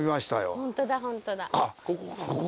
ホントだホントだ。